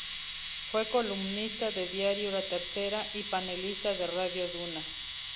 Fue columnista de Diario La Tercera y panelista de Radio Duna.